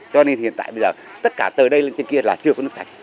cho nên hiện tại bây giờ tất cả từ đây lên trên kia là chưa có nước sạch